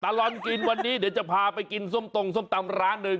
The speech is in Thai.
ตลอดกินวันนี้เดี๋ยวจะพาไปกินส้มตรงส้มตำร้านหนึ่ง